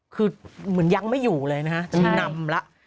คือเหมือนยังไม่อยู่เลยนะครับนำละ